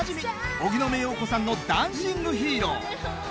荻野目洋子さんの「ダンシング・ヒーロー」。